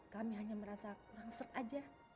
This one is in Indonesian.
kami hanya merasa kurang sengaja